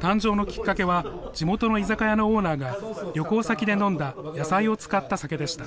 誕生のきっかけは、地元の居酒屋のオーナーが旅行先で飲んだ野菜を使った酒でした。